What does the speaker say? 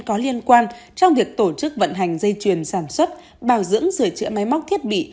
có liên quan trong việc tổ chức vận hành dây chuyền sản xuất bảo dưỡng sửa chữa máy móc thiết bị